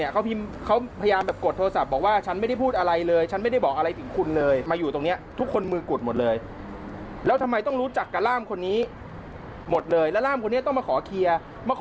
ขอเคลียร์กับตำรวจเนี่ย